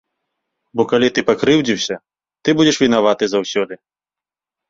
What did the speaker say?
Бо калі ты пакрыўдзіўся, ты будзеш вінаваты заўсёды.